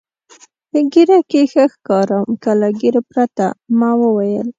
په ږیره کې ښه ښکارم که له ږیرې پرته؟ ما وویل.